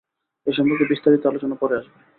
এ সম্পর্কে বিস্তারিত আলোচনা পরে আসবে।